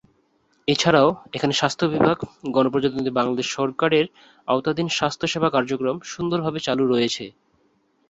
এছাড়াও এখানে স্বাস্থ্য বিভাগ, "গণপ্রজাতন্ত্রী বাংলাদেশ সরকার" এর আওতাধীন স্বাস্থ্যসেবা কার্যক্রম সুন্দর ভাবে চালু রয়েছে।